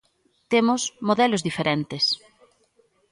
Temos modelos diferentes.